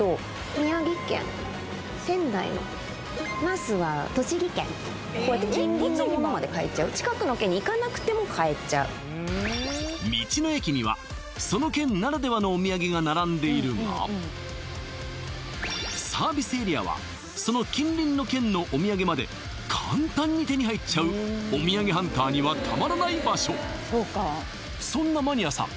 宮城県仙台の那須は栃木県こうやって近隣のものまで買えちゃう道の駅にはその県ならではのお土産が並んでいるがサービスエリアはその近隣の県のお土産まで簡単に手に入っちゃうお土産ハンターにはたまらない場所そんなマニアさん